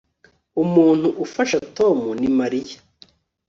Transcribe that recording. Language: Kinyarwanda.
Umuntu ufasha Tom ni Mariya